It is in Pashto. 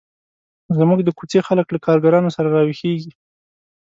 زموږ د کوڅې خلک له کارګانو سره راویښېږي.